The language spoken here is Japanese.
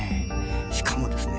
しかもですね